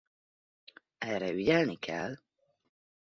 Erre ügyelni kell.